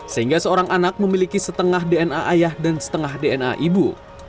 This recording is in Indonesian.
sehingga seorang anak memiliki setengah dna ayah dan setengah dna ibu